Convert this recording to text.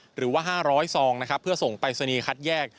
หรือว่า๕๐๐ซองนะครับเพื่อส่งปรายศนีย์คัดแยก